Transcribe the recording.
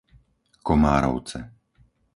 Komárovce